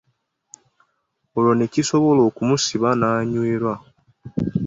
Olwo ne kisobola okumusiba n’anywera .